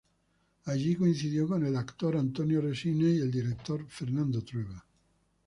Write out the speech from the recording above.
Allí coincidió con el actor Antonio Resines y el director Fernando Trueba.